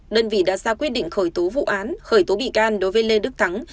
đơn vị đã ra quyết định khởi tố vụ án khởi tố bị can đối với lê đức thắng